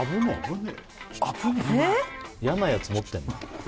嫌なやつ持ってんだ